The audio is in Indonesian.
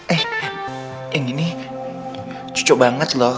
eh yang ini cucuk banget loh